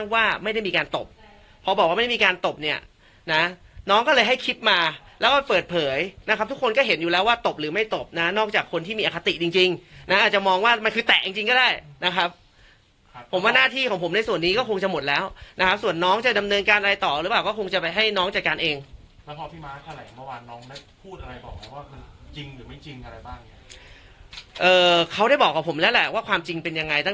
ว่าไม่ได้มีการตบพอบอกว่าไม่ได้มีการตบเนี้ยนะน้องก็เลยให้คิดมาแล้วก็เปิดเผยนะครับทุกคนก็เห็นอยู่แล้วว่าตบหรือไม่ตบนะนอกจากคนที่มีอคติจริงจริงนะอาจจะมองว่ามันคือแตะจริงจริงก็ได้นะครับผมว่าหน้าที่ของผมในส่วนนี้ก็คงจะหมดแล้วนะครับส่วนน้องจะดำเนินการอะไรต่อหรือเปล่าก็คงจะไปให้น้องจัดการเ